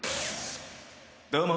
どうも。